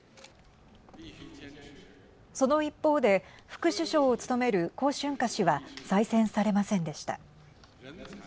その一方で副首相を務める胡春華氏は再選されませんでした。